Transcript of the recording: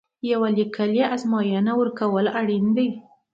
یوه لیکلې ازموینه ورکول اړین دي.